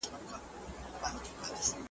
دا بهير به اوږده موده کي اغېزه وښندي.